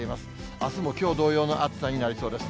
あすもきょう同様の暑さになりそうです。